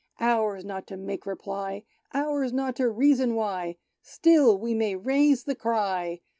Ours not to make reply. Ours not to reason why ; Still we may raise the cry.